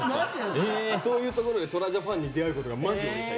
そういうところでトラジャファンに出会うことがマジ多い。